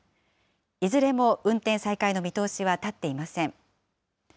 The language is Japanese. いずれも運転再開の見通しは立っていません。